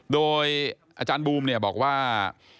โดยอาจารย์บูมเนี่ยบอกว่า